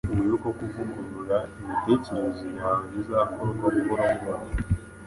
Wibuke ko kuvugurura imitekerereze yawe bizakorwa buhoro buhoro,